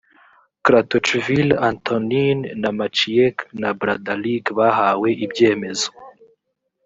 kratochvil antonin na maciek nabradalik bahawe ibyemezo